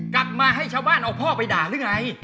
กลับมาให้ชาวบ้านเอาพ่อไปด่าหรือไง